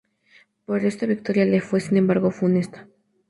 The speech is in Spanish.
Pero esta victoria le fue sin embargo funesta.